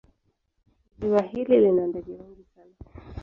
Ziwa hili lina ndege wengi sana.